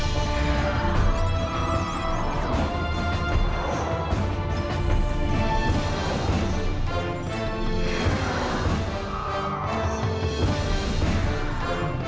จุดแรกที่จะสกัดเข้าไปอีก